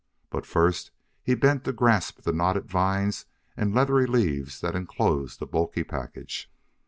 But first he bent to grasp the knotted vines and leathery leaves that enclosed a bulky package.